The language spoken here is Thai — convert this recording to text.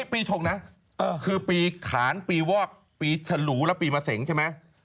ปีชงนะคือปีขานปีวอกปีฉลูและปีมะเสงใช่ไหม